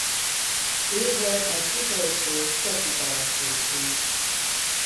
Ő volt az utolsó Tokugava sógun.